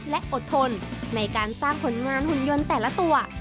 และอดทนในการสร้างผลงานหุ่นยนต์แต่ละตัว